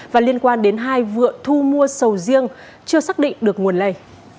và liên quan đến hai vựa thu mua sầu riêng chưa xác định được nguồn lây